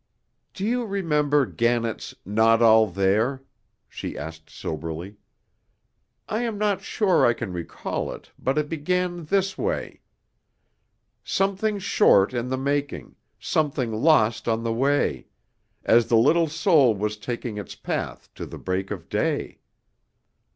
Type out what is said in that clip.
'" "Do you remember Gannett's 'Not All There'?" she asked soberly. "I am not sure I can recall it, but it began this way: "Something short in the making, Something lost on the way, As the little soul was taking Its path to the break of day.